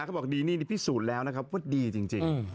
เขาบอกดีนี่พิสูจน์แล้วนะครับว่าดีจริง